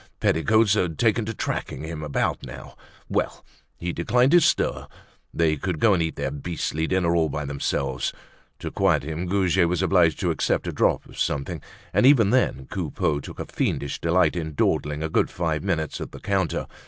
Petticoats had taken to tracking him about now! Well! He declined to stir, they could go and eat their beastly dinner all by themselves. To quiet him Goujet was obliged to accept a drop of something; and even then Coupeau took a fiendish delight in dawdling a good five minutes at the counter.